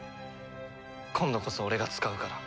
今度こそ俺が使うから。